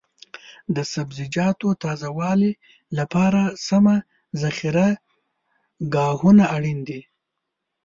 د سبزیجاتو تازه والي لپاره سمه ذخیره ګاهونه اړین دي.